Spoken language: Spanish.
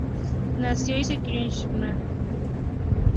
Nació y se crio en Sharjah.